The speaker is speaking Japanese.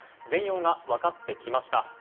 全容が分かってきました。